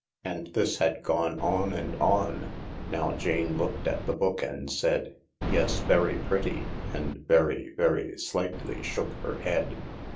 And this had gone on and on. Now Jane looked at the book andsaid, '* Yes, very pretty," and very, very slightly shook her head.